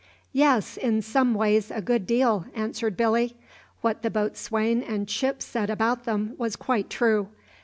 "Yes, in some ways a good deal," answered Billy. "What the boatswain and Chips said about them was quite true.